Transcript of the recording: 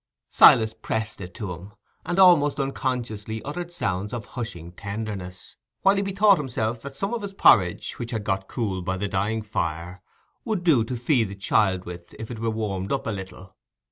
Silas pressed it to him, and almost unconsciously uttered sounds of hushing tenderness, while he bethought himself that some of his porridge, which had got cool by the dying fire, would do to feed the child with if it were only warmed up a little.